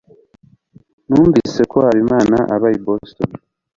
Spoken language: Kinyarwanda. numvise ko habimana aba i boston